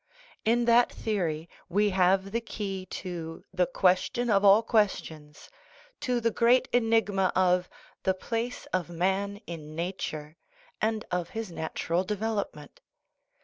In that theory we have the key to " the question of all questions, " to the great enigma of " the place of man in nature," and of his natural development.